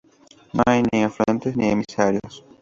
No hay ni afluentes ni emisarios.